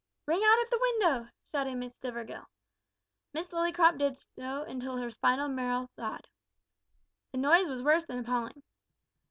"Ring out at the window!" shouted Miss Stivergill. Miss Lillycrop did so until her spinal marrow thawed. The noise was worse than appalling.